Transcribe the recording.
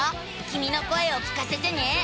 きみの声を聞かせてね。